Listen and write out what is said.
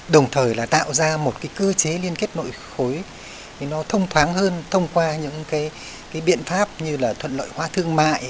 đồng thời tạo ra một cơ chế liên kết nội khối thông thoáng hơn thông qua những biện pháp như thuận lợi hóa thương mại